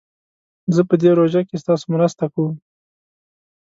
زه په دي پروژه کښي ستاسو مرسته کووم